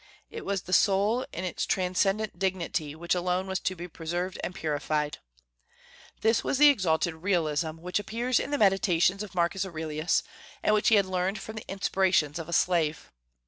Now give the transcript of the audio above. It was the soul, in its transcendent dignity, which alone was to be preserved and purified. This was the exalted realism which appears in the "Meditations" of Marcus Aurelius, and which he had learned from the inspirations of a slave.